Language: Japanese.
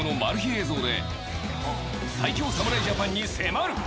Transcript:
映像で最強侍ジャパンに迫る。